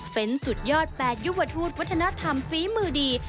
เป็นสุดยอด๘ยุวทูตวัฒนธรรมฝีมือดี